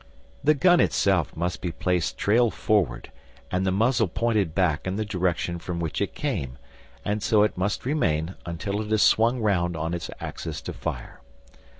The gun itself must be placed trail forward and the muzzle pointing back in the direction from which it came, and so it must remain until it is swung round on its axis to fire.